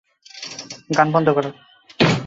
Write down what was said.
গান বন্ধ করো।